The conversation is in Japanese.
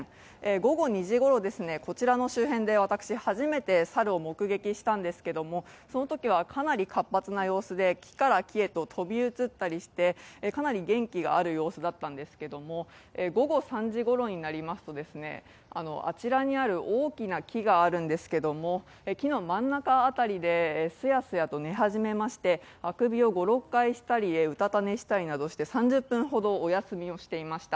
午後２時ごろ、こちらの周辺で私、初めて猿を目撃したんですけどそのときはかなり活発な様子で、木から木へと飛び移ったりして、かなり元気がある様子だったんですけれども、午後３時ごろになりますと、あちらに大きな木があるんですけど木の真ん中辺りですやすやと寝始めましてあくびを５６回したりうたた寝をしたりして、３０分ほどお休みしていました。